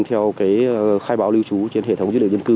theo khai báo lưu trú trên hệ thống dữ liệu dân cư